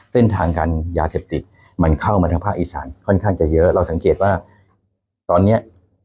เส้นทางการยาเสพติดมันเข้ามาทางภาคอีสานค่อนข้างจะเยอะเราสังเกตว่าตอนเนี้ย